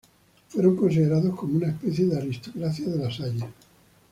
Fueron considerados como una especie de aristocracia de las Halles.